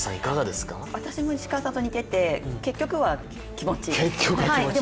私も石川さんと似てて、結局は気持ちです。